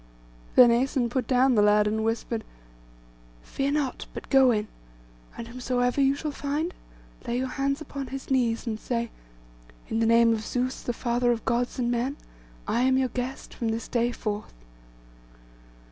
Then Æson put down the lad, and whispered— 'Fear not, but go in, and whomsoever you shall find, lay your hands upon his knees, and say, "In the name of Zeus, the father of Gods and men, I am your guest from this day forth."